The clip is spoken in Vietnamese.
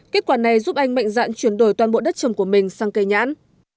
kết quả này giúp anh mạnh dạn chuyển đổi toàn bộ đất trồng của mình sang cây nhãn